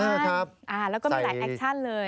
แล้วก็มีหลายแอคชั่นเลย